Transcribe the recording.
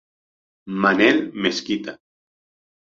Manel Mesquita.